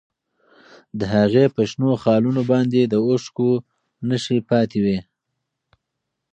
د هغې په شنو خالونو باندې د اوښکو نښې پاتې وې.